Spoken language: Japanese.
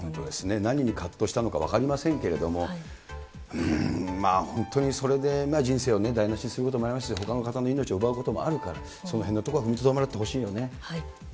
何にかっとしたのか分かりませんけれども、うーん、まあ本当にそれで人生を台なしにすることもありますし、ほかの方の命を奪うこともあるから、そのへんのところは踏みとどまってほしいよね。